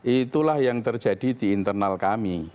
itulah yang terjadi di internal kami